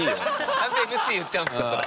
なんでＭＣ言っちゃうんですかそれ。